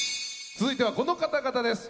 続いてはこの方々です！